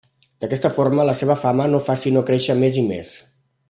D'aquesta forma la seva fama no fa sinó créixer més i més.